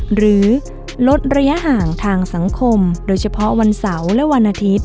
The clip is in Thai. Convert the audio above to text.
หรือลดระยะห่างทางสังคมโดยเฉพาะวันเสาร์และวันอาทิตย์